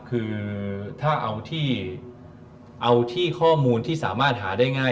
คือถ้าเอาที่ข้อมูลที่สามารถหาได้ง่าย